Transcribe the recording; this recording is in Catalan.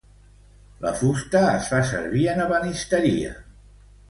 La fusta es fa servir en ebenisteria.